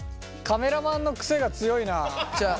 カメラマンの癖が強いなあ。